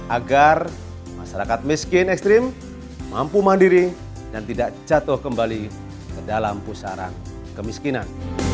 agar masyarakat miskin ekstrim mampu mandiri dan tidak jatuh kembali ke dalam pusaran kemiskinan